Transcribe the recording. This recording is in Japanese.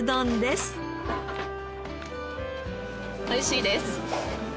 おいしいです。